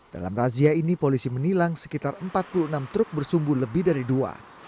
dalam razia ini polisi menilang sekitar empat puluh enam truk bersumbu lebih dari dua